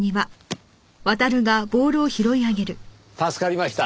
助かりました。